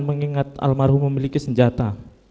mengingat almarhum memiliki senjata